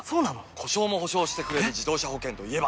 故障も補償してくれる自動車保険といえば？